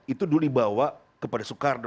itu dulu dibawa kepada soekarno